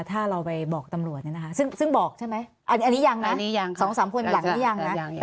ถ้าเราไปบอกตำลวนนะคะซึ่งซึ่งบอกใช่ไหมอันนี้อันนี้ยังนะคะ